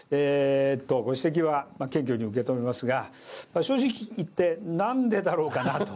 ご指摘は謙虚に受け止めますが、正直言って、なんでだろうかなと。